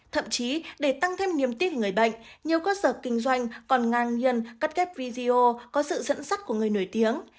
thậm chí để tăng thêm niềm tin người bệnh nhiều cơ sở kinh doanh còn ngang nhiên cắt ghép video có sự dẫn dắt của người nổi tiếng